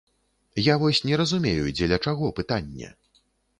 Я вось не разумею, дзеля чаго пытанне?